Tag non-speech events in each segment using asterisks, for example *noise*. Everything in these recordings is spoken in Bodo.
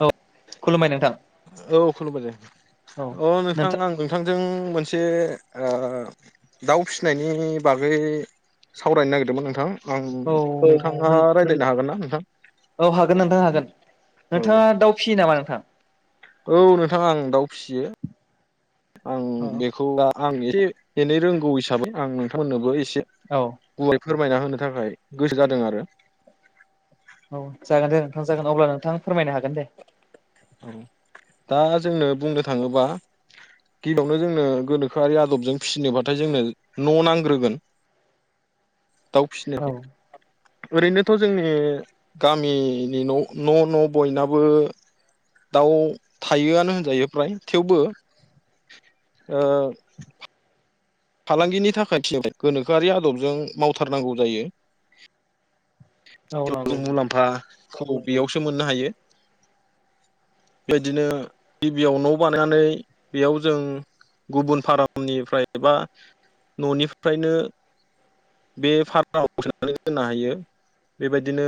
औ खुलुमबाय नोंथां औ खुलुमबाय दे औ नोंथां ओ नोंथां आं नोंथांजों आं मोनसे ओ दाउ फिसिनायनि बागै सावरायनो नागिरदोंमोन नोंथां औ आंथांहा नों रायज्लायनो हागोन ना नोंथां औ हागोन नोंथांङ हागोन औ नोंथाङा दाउ फियो नामा नों? आथ औ नोंथांङ आं दाउ फिसियो आं औ बेखौ ला आं एसे एनै रोंगौ हिसाबै आं नोंथांमोननोबो एसे औ गय फोरमायना होनो थाखाय गोसो जादों आरो औ जागोन दे नोंथां जागोन अब्ला नोंथां फोरमायनो हागोन दे औ दा जोंनो बुंनो थाङोबा गिबियावनो जोंनो गोनोखोआरि आदबजों फिसिनोबाथाय जोंनो न' नांग्रोगोन। दाउ फिसिनो औ ओरैनोथ' जोंनि गामिनि न' न' न' बयनाबो दाउ थायोआनो होनजायो फ्राय थेवबो ओ फालांगिनि थाखायथि गोनोखोआरि आदबजों मावथारनांगौ जायो औ नंगौ नंगौ मुलाम्फा खौ बेयावसो मोननो हायो बेदिनो गिबियाव न' बानायनानै बेयाव जों गुबुन फारमनिफ्राय एबा न'निफ्रायनो बे फार्माव फैनानै दोननो हायो बेबायदिनो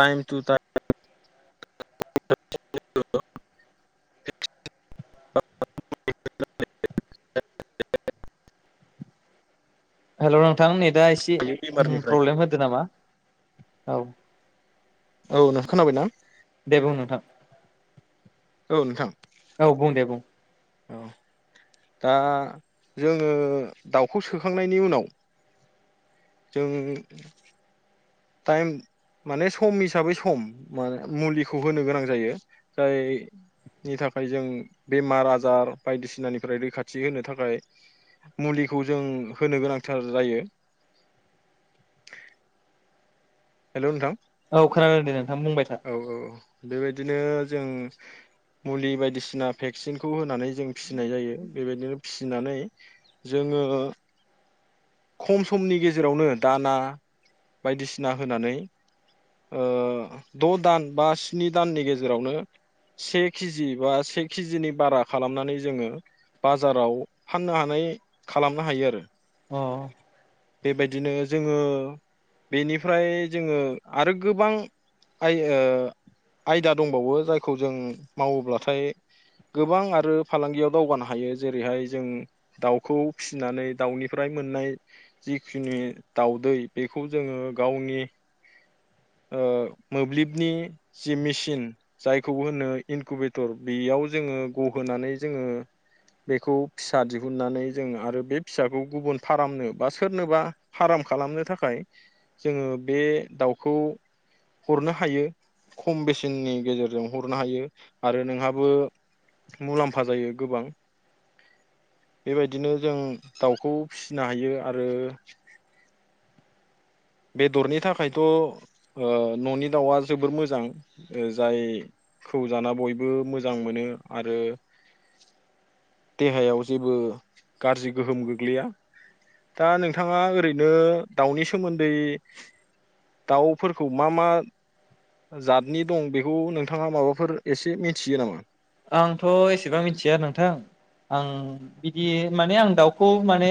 टाइम टु टाइम *unintelligible* *unintelligible* हेल' नोंथांनि दा एसे बेमारनिफ्राय प्रब्लेम होदो नामा? औ। औ नों खोनाबाय ना? दे बुं नथां औ नोंथां औ बुं दे बुं। औ दा जोङो दाउखौ सोखांनायनि उनाव जों टाइम माने सम हिसाबै सम म मुलिखौ होनो गोनां जायो जायनि थाखाय जों बेमार आजार बायदिसिनानिफ्राय रैखाथि होनो थाखाय मुलिखौ जों होनो गोनांथार जायो हेलौ नोंथां औ खोनादों दे नोंथां बुंबाय था औ औ बेबायदिनो जों मुलि बायदिसिना भेक्सिनखौ होनानै जों फिसिनाय जायो बेबायदिनो फिसिनानै जोंङो खम समनि गेजेरावनो दाना बायदिसिना होनानै ओ द' दान बा स्नि दाननि गेजेरावनो से केजि बा से केजिनि बारा खालामनानै जोंङो बाजाराव फाननो हानाय खालामनो हायो आरो। अ बेबायदिनो जोंङो बेनिफ्राय जोंङो आरो गोबां आय ओ आयदा दंबावो जायखौ जों मावोब्लाथाय गोबां आरो फालांगियाव दावगानो हायो जेरैहाय जों दाउखौ फिसिनानै दाउनिफ्राय मोननाय जिखिनि दाउदै बेखौ जोंङो गावनि ओ मोब्लिबनि जि मेसिन जायखौ होनो इनकुवेटर बेयाव जोंङो गहोनानै जोंङो बेखौ फिसा दिहुननानै जों आरो बे फिसाखौ गुबुन फारामनो बा सोरनोबा फार्म खालामनो थाखाय जोंङो बे दाउखौ हरनो हायो खम बेसेननि गेजेरजों हरनो हायो आरो नोंहाबो मुलाम्फा जायो गोबां बेबायदिनो जों दाउखौ फिसिनो हायो। आरो बेदरनि थाखायथ' न'नि दाउआ जोबोर मोजां जायखौ जाना बयबो मोजां मोनो आरो देहायाव जेबो गाज्रि गोहोम गोग्लैया दा नोंथाङा ओरैनो दाउनि सोमोन दै दाउफोरखौ मा मा जातनि दं बेखौ नोंथाङा माबाफोर एसे मिथियो नामा। आंथ' एसेबां मिथिया आरो नोंथां आं बिदि माने आं दाउखौ माने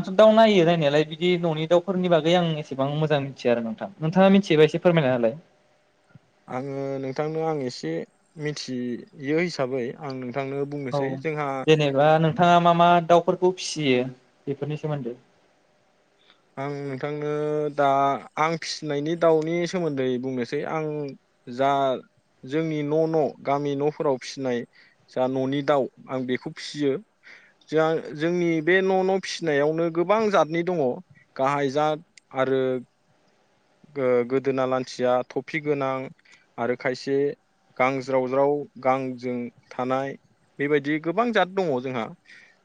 आंथ' दाउ नायो नायनायालाय बिदि न'नि दाउफोरनि बागै आं एसेबां मोजां मिथिया आरो नोंथां नोंथाङा मिथियोबा एसे फोरमायनाहोलाय। आंङो नोंथांनो आं एसे मिथियो हिसाबै आं नों औ जेनेबा नोंथाङा मा मा दाव फोरखौ फिसियो बेफोरनि सोमोन्दै आं नोंथांनो दा आं फिसिनायनि दाउनि सोमोन्दै बुंनोसै आं जा जोंनि न'-न' गामि न'फोराव फिसिनाय जा न'नि दाउ आं बेखौ फिसियो जों जोंनि बे न'-न' फिसिनायावनो गोबां जादनि दङ। गाहाय जात आरो गोदोना लान्थिया थफि गोनां आरो खायसे गांज्रावज्राव गांजों थानाय बेबायदि गोबां जात दंङ जोंहा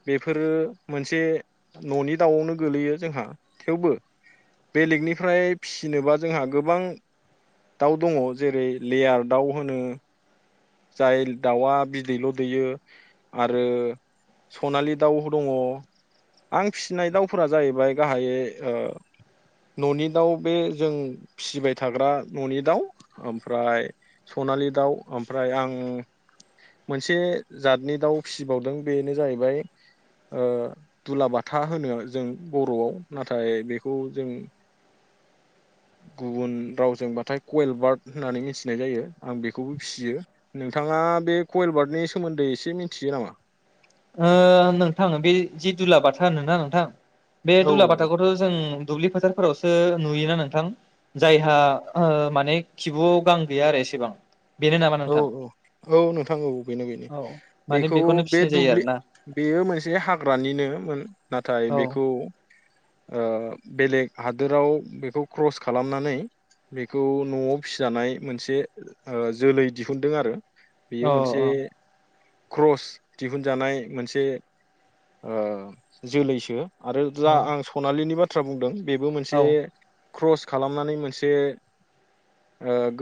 बेफोरो मोनसे न'नि दाउआवनो गोलैयो जोंहा थेवबो बे लेगनिफ्राय फिसिनोबा जोंहा गोबां दाउ दंङ जेरै लेयार दाउ होनो। जाय दाउआ बिदैल' दैयो आरो सनालि दाउ दङ आं फिसिनाय दाउफोरा जाहैबाय गाहायै न'नि दाउ बे जों फिसिबाय थाग्रा न'नि दाउ ओमफ्राय सनालि दाउ ओम फ्राय आं मोनसे जतनि दाउ फिसिबावदों बेनो जाहैबाय दुलाबाथा होनो जों बर'आव नाथाय बेखौ जों गुबुन रावजोंबाथाय कयेलबार्ट होननानै मिथिनाय जायो आं बेखौबो फिसियो। नोंथाङा बे कयलबार्टनि सोमोन्दै एसे मिथियो नामा। ओ नोंथां बे जि दुला बाथा होनोना नोंथां बे औ दुलाबाथाखौथ' जों दुब्लि फोथारफोरावसो नुयोना नोंथां जायहा माने खिबुआव गां गैया आरो एसेबां बेनो नामा औ नोंथां औ औ नोंथां औ बेनो बेनो औ माने बेखौ बेखौनो बे फिसिनाय जायो दुब्लि आरोना बेयो मोनसे हाग्रानिनो नाथाय औ बेखौ ओ बेलेग हादोराव बेखौ क्रस खालामनानै बेखौ न'आव फिसिजानाय मोनसे जोलै दिहुनदों आरो। औ बेयो मोनसे क्रस दिहुनजानाय मोनसे ओ जोलैसो। आरो जा आं सनालिनि बा थ्रा बुंदों। बेबो औ मोनसे क्रस खालामनानै मोनसे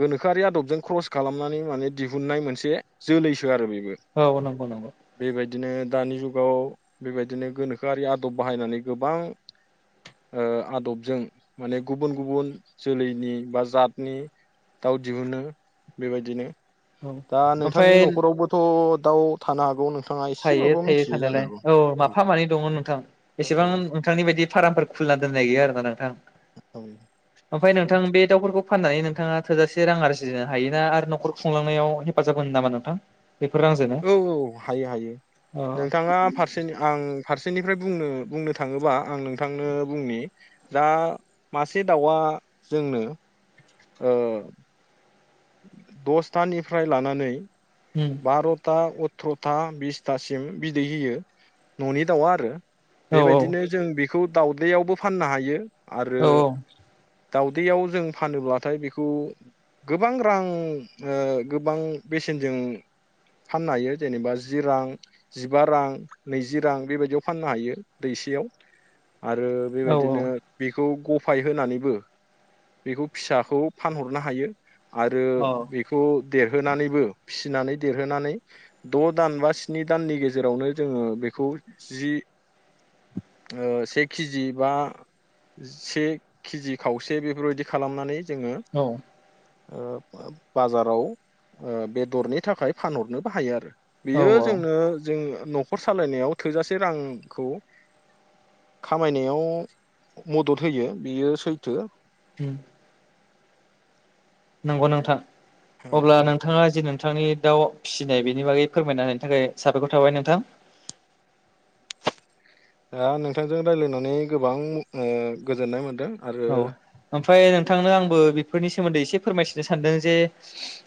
गोनोखोआरि आदबजों क्रस खालामनानै माने दिहुननाय मोनसे जोलैसो आरो बे औ नंगौ नंगौ बिदिनो दानि जुगाव बेबायदिनो गोनोखोआरि आदब बाहायनानै गोबां आदबजों माने गुबुन-गुबुन जोलैनि बा जातनि दाउ दिहुनो बेबायदिनो औ दा ओमफ्राय नोंथांनि न'खरावबोथ' दाव थानो हागौ नों थायो थायो थानायालाय औ माफा मानै दङ नोंथां एसेबां नोंथांनि बायदि फार्मफोर खुलिना दोननाय गैया आरोना नोंथां। औ ओमफ्राय नोंथां बे दाउफोरखौ फाननानै नोंथाङा थोजासे रां आरजिनो हायो ना आरो न'खर खुंलांनायाव हेफाजाब होनो नामा नोंथां? बेफोर रांजोंनो औ औ हायो हायो अ नोंथाङा फारसेनि आं फारसेनिफ्राय बुंनो बुंनो थाङोबा आं नोंथांनो बुंनि दा मासे दाउआ जोंनो ओ दसथानिफ्राय लानानै उम बार'था थथा बिसथासिम बिदै होयो न'नि दाउआ आरो। औ बेबायदिनो जों बे बेखौ दावउदैयावबो फाननो हायो। आरो औ दाउदैयाव जों फानोब्लाथाय बेखौ गोबां रां ओ गोबां बेसेनजों फाननो हायो जेनेबा जि रां जिबा रां नैजि रां बेबायदियाव फाननो हायो दैसेयाव आरो औ बेबायदिनो बेखौ ग फाय होनानैबो बेखौ फिसाखौ फानहरनो हायो। आरो औ बेखौ देरहोनानैबो फिसिनानै देरहोनानै द' दान बा स्नि दाननि गेजेरावनो जोङो बेखौ जि से केजि बा से केजि खावसे बेफोरबायदि खालामनानै जोङो औ ओ बाजाराव ओ बेदरनि थाखाय फानहरनोबो हायो आरो। औ बेयो औ जोंनो जों न'खर सालायनायाव थोजासे रांखौ खामायनायाव मदद होयो बियो सैथो। उम नोंगौ नोंथां अब्ला औ औ नोंथाङा जे नों नोंथांनि दाउ फिसिनाय बेनि बागै फोरमायना होनायनि थाखाय साबायखर थाबाय नोंथां। दा नोंथांजों रायज्लायनानै गोबां उम गोजोननाय मोनदों। आरो ओमफाय नोंथांनो आंबो बेफोरनि सोमोन्दै एसे फोरमायथिनो सानदों जे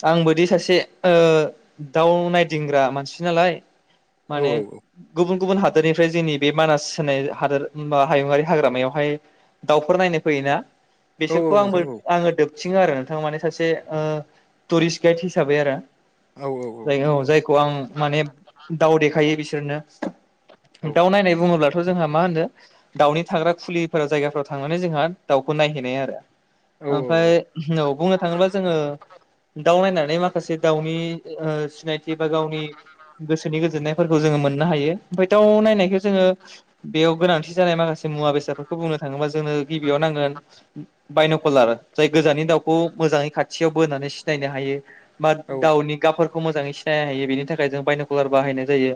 आंबोदि सासे ओ दाउ नायदिंग्रा मानसि नालाय औ माने गुबुन गुबुन हादोरनिफ्राय जोंनि बे मानास होनाय हादोरा हायुङारि हाग्रामायावहाय दाउफोर नायनो फैयोना औ औ बिसोरखौ आंबो नोंथां औ आङो दोब सिङ आरो नोंथाङा माने सासे ओ टुरिस्ट गाइड हिसाबै आरो। औ जाय औ जायखौ आं माने दाउ देखायो बिस दोननो औ दाउनायनाय बुङोब्लाथ थ' जोंहा मा होनो दाउनि थाग्रा खुलिफोराव जायगाफोराव थांनानै जोंहा दाउखौ नायहैनाय आरो। ओमफ्राय औ बुंनो थाङोब्ला जोङो दावबायनाय एबा माखासे दाउनि ओ सिनायथि बा गावनि गोसोनि गोजोननायफोरखौ जोङो मोननो हायो। ओमफ्राय दाउ नायनायखौ जोङो बेयाव गोनांथि जानाय माखासे मुवा बेसादफोरखौ बुंनो थाङोबा जोंनो बेयाव नांगोन बायन'कलार जाय गोजाननि दाउखौ मोजाङै खाथियाव बोनानै सिनायनो हायो‌। मा औ दाउनि गाबफोर खौ मोजाङै सिनायनो हायो बेनि थाखाय जों बायन'कुलार बाहायनाय जायो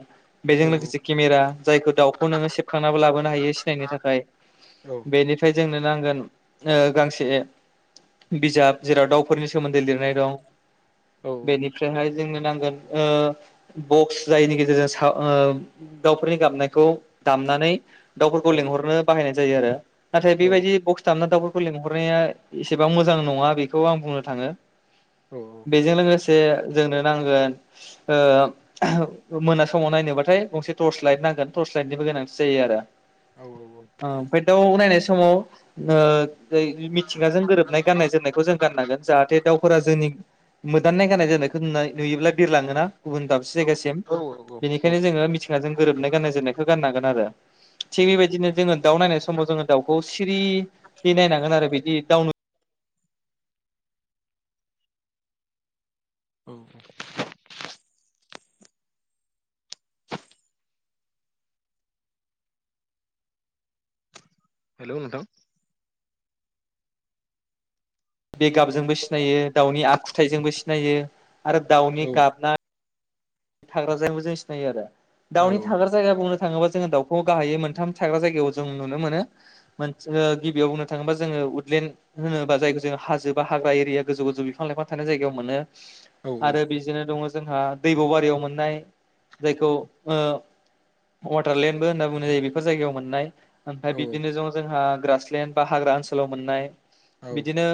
बेजों लोगोसे केमेरा जायखौ दाउखौ नोङो सेबखांनानैबो लाबोनो हायो सिनायनायनि थाखाय बेनि जोंनो नांगोन ओह‌ गांसे बिजाब जेराव दाउ फोरनि सोमोन्दै लिरनाय दं बेनिफ्रायहाय जोंनो नांगोन ओह बक्स जायनि गेजेरजों सा ओ दाउफोरनि गाबनायखौ दामनानै दाउफोरखौ लेंहरनो बाहायनाय जायो आरो नाथाय बिबायदि बस दामना दाउफोरखौ लेंहरनाया एसेबां मोजां नङा बेखौ आं बुंनो थाङो। बेजों लोगोसे जोंनो नांगोन ओह मोना समाव नायनोबाथाय थस लाइतनिबो गोनांथि जायो ओह दाउ नायनाय समाव ओह मिथिंगाजों गोरोबनाय गाननाय जोमनायखौ जों गाननांगोन जाहाथे दाउफोरा जोंनि मोदाननाय गाननाय जोमनायखौ नुयोब्ला बिरलाङोना गुबुन दाबसे जायगासिम औ बेनिखायनो जोङो मिथिंगाजों गोरोबनाय गाननाय जोमनायखौ गाननांगोन आरो औ थिग बेबायदिनो जोङो दाउ नाय समाव जोङो दाउखौ सिरियै नायनांगोन आरो बिदि दाउनो औ हेलौ नोंथां बेगाबजोंबो सिनायो दाउनि आखुथाइजोंबो सिनायो आरो औ दाउनि गाबनाय थाग्रा जायगायावो जों सिनायो आरो औ दाउनि थाग्रा जायगा बुंनो थाङोबा जोङो दाउखौ गाहायै मोनथाम थाग्रा जायगायाव जों नुनो मोनो गिबियाव बुंनो थाङोबा जोङो उदलेड होनोबा जायखौ जोंहा हाजोब बा हाग्रा एरिया गोजौ गोजौ बिफां लाइफां थानाय जायगायाव मोनो औ आरो बिजोंनो दङ जोंहा दैबारि दैयाव मोननानाय जायखौ ओ वाथारलेण्डबो होनना बुंनाय जायो बेफोर जायगायाव मोननाय ओमफ्राय औ बिनो ज जोंहा ग्रसलेण्ड बा हाग्रा ओनसोलाव मोननाय औ बिदिनो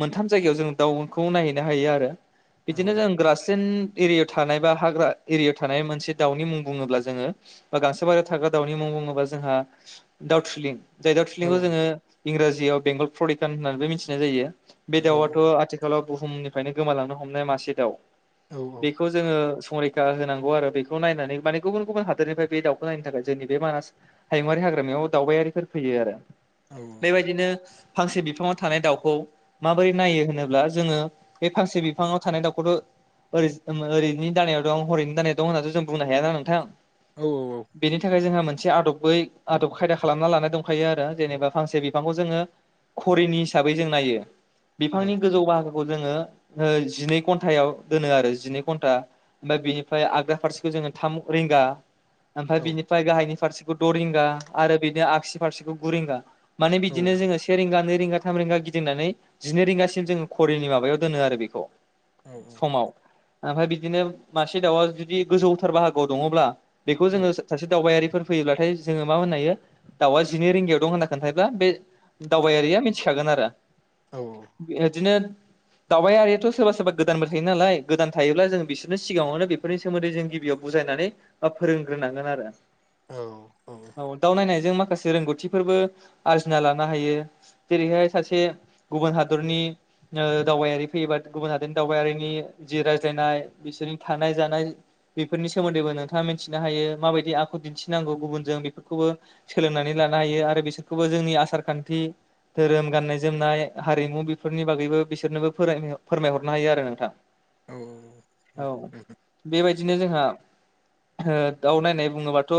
मोनथाम जायगायाव जों दाउखौ नायहैनो हायो आरो औ बिदिनो औ जों ग्रासलेण्ड एरियायाव थानाय बा हाग्रा एरियायाव थानाय मोनसे दाउनि मुं बुङोब्ला जोङो बा गांसो बारियाव थाग्रा दाउनि मुं बुङोब्ला जोंहा दाउ थुलिं जाय दाव औ थिलिंखौ जोङो इंराजियाव बेंगल प्रडिटान होन्नानै मिथिनाय जायो। बे औ दाउ आथ' आथिखालाव बुहुमनिफ्रायनो गोमालांनो हमनाय मासे दउ। बेखौ जोङो संरैखा होनांगौ आरो बेखौ नायनानै माने गुबुन गुबुन हादोरनिफ्राय बे दाउखौ नायनो थाखाय जोंनि बे मानास हायुङारि हाग्रामायाव दावबायारिफोर फैयो आरो। बेबायदिनो फांसे बिफाङाव थानाय दाउखौ माबोरै नायो होनोब्ला जोङो बे फांसे बिफाङाव थानाय दाउखौथ' ओ ओरैनि दानायाव हरैनो दानाय दं होननानैथ' जों बुंनो हायाना नोंथां? बेनि थाखाय जोंहा मोन मोनसे आदबै आदब खायदा खालामना लानाय दंखायो आरो जेनेबा फांसे बिफांखौ जोङो घरिनि हिसाबै जों नायो बिफांनि गोजौ बाहागोखौ जोङो ओ जिनै घन्टायाव दोनो आरो जिनै घन्टा ओमफ्राय बेनिफ्राय आगदा फारसेखौ जोङो थाम रिंगा ओमफ्राय बिनिफ्राय गाहायनि फारसे द' रिंगा आरो बेदिनो आगसि फारसेखौ गुरिंगा माने बिदिनो जोङो सेरें गानो रिंगा थाम रिंगा गिदिंनानै जिनै रिंगासिम जोङोघरिनि माबायाव दोनो आरो बेखौ समाव ओमफ्राय बिदि बिदिनो मासे दाउआ जुदि गोजौथार बाहागोआव दङब्ला बेखौ जोङो सासे दावबायारि फोर फैयोब्लाथाय जोङो मा होननो हायो दाउआ जिनै रिंगायाव दं होनना खोन्थाब्ला बे दावबायारिया मिथिखागोन आरो। बिदिनो दावबायारियाथ' सोरबा सोरबा गोदानबो थायो नालाय गोदान थायोब्ला जों बिसोर सिगाङावनो बेफोरनि सोमोन्दै जों गिबियाव बुजायनानै फोरोंग्रोनांगोन आरो औ दाउ नायनायजों मा माखासे रोंगौथिफोरबो आरजिना लानो हायो जेरैहाय सासे गुबुन हादरनि दावबायारि फैयोबा गुबुन हादरनि दावबायारिनि जि रायज्लायनाय बिसोरनि थानाय जानाय बेफोरनि सोमोन्दैबो नोंथाङा मिथिनो हायो माबायदि आखु दिन्थिनांगौ गुबुनजों बेफोरखौबो सोलोंनानै लानो हायो। आरो बिसोरखौबो जोंनि आसार खान्थि धोरोम गाननाय जोमनाय हारिमु बेफोरनि बागैबो फोरमाय हरनो हागोन आरो नोंथां औ औ बेबायदि बिदिनो जोंहा ओ दाउ नायनाय बुङोबाथ'